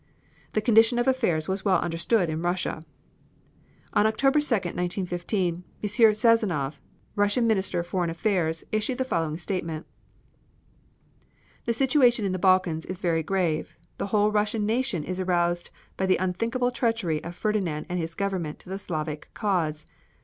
The condition of affairs was well understood in Russia. On October 2, 1915, M. Sazonov, Russian Minister of Foreign Affairs, issued the following statement: "The situation in the Balkans is very grave. The whole Russian nation is aroused by the unthinkable treachery of Ferdinand and his Government to the Slavic cause.